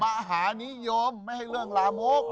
มหานิยมไม่ให้เรื่องลามก